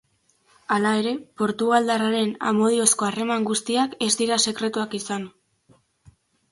Hala ere, portugaldarraren amodiozko harreman guztiak ez dira sekretuak izan.